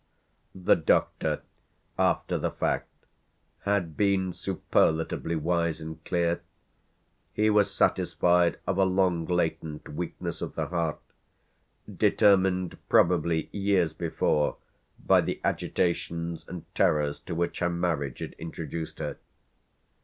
The doctor, after the fact, had been superlatively wise and clear: he was satisfied of a long latent weakness of the heart, determined probably years before by the agitations and terrors to which her marriage had introduced her.